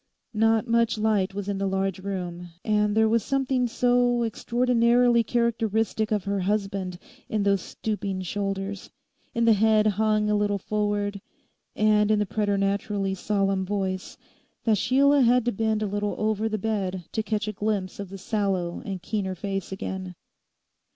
Not much light was in the large room, and there was something so extraordinarily characteristic of her husband in those stooping shoulders, in the head hung a little forward, and in the preternaturally solemn voice, that Sheila had to bend a little over the bed to catch a glimpse of the sallow and keener face again.